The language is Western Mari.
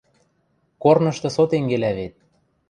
Корнышты со тенгелӓ вет.